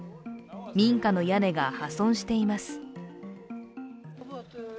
民家の屋根が破損しています。